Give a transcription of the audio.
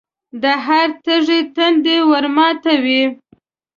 د هر تږي تنده ورماتوي.